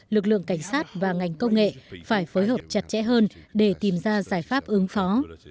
lực lượng cảnh sát và ngành công nghệ phải phối hợp chặt chẽ hơn để tìm ra giải pháp ứng phó